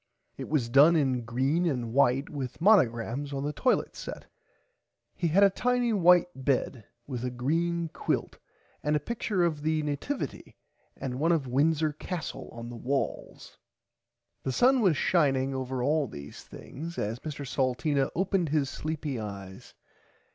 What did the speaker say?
It was done in green and white with Monagrams on the toilit set. He had a tiny white bed with a green quilt and a picture of the Nativaty and one of Windsor Castle on the walls. The sun was shining over all these things as Mr Salteena opened his sleepy eyes.